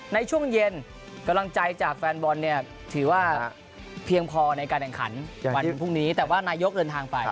ในช่วงเย็นกำลังใจจากแฟนบอลเนี่ยถือว่าเพียงพอในการแข่งขันวันพรุ่งนี้แต่ว่านายกเดินทางไป